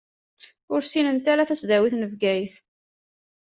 Ur ssinent ara tasdawit n Bgayet.